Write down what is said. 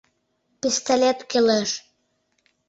Пистолет кӱлеш.